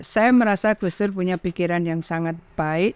saya merasa gustur punya pikiran yang sangat baik